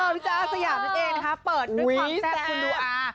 พี่จ้าอาสยามนั่นเองนะคะเปิดด้วยความแซ่บคุณดูอา